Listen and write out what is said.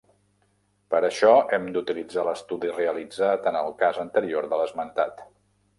Per a això hem d'utilitzar l'estudi realitzat en el cas anterior de l'esmentat.